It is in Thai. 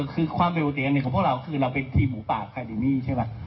คือความเป็นปกติอันนี้ของพวกเราคือเราเป็นทีมหูปากฮาเดนีใช่ไหม